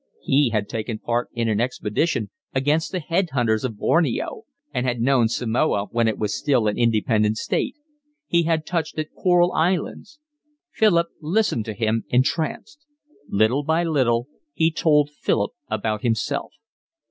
He had taken part in an expedition against the head hunters of Borneo and had known Samoa when it was still an independent state. He had touched at coral islands. Philip listened to him entranced. Little by little he told Philip about himself.